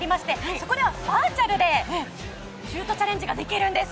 そこではバーチャルでシュートチャレンジができるんです。